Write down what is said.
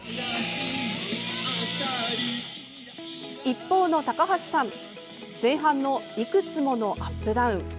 一方の高橋さん前半のいくつものアップダウン